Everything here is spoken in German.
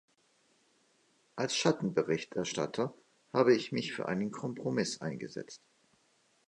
Als Schattenberichterstatter habe ich mich für einen Kompromiss eingesetzt.